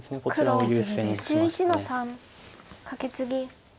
黒１１の三カケツギ。